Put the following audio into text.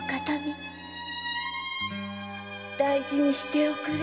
大事にしておくれ。